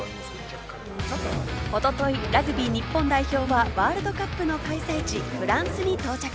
おととい、ラグビー日本代表はワールドカップの開催地・フランスに到着。